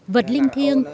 vật linh thiêng